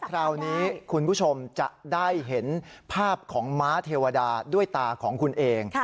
คราวนี้คุณผู้ชมจะได้เห็นภาพของม้าเทวดาด้วยตาของคุณเอง